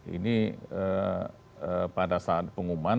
ini pada saat pengumuman